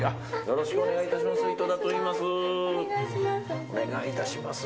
よろしくお願いします。